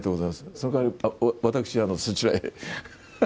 そのかわりに、私、そちらへ。